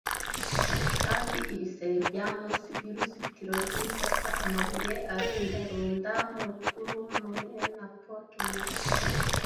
Kandi ibisebe bya mossy byuruzitiro rwinzoka , amabuye arundarunda , mukuru, mullein na poke-nyakatsi.